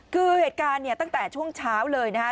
คือเหตุการณ์เนี่ยตั้งแต่ช่วงเช้าเลยนะฮะ